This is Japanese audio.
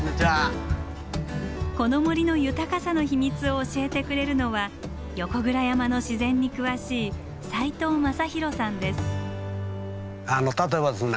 この森の豊かさの秘密を教えてくれるのは横倉山の自然に詳しい例えばですね